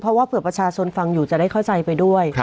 เพราะว่าเผื่อประชาชนฟังอยู่จะได้เข้าใจไปด้วย